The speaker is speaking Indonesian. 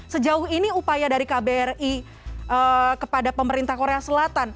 sejauh ini upaya dari kbri kepada pemerintah korea selatan